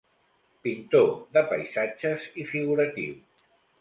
Pintor de paisatges i figuratiu.